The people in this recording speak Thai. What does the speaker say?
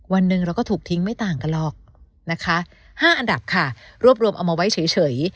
วันหนึ่งเราก็ถูกทิ้งไม่ต่างกันหรอกนะคะ๕อันดับค่ะรวบรวมเอามาไว้เฉย